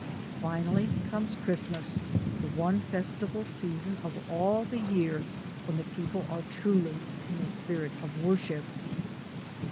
Finally comes Christmas, the one festival season of all the year when the people are truly in a spirit of worship.